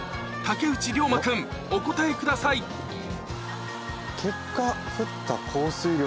竹内涼真君お答えください結果降った。